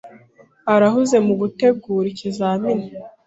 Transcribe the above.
Arahuze mugutegura ikizamini.